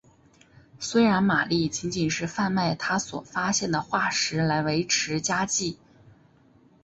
虽然玛丽仅仅是贩卖她所发现的化石来维持家计。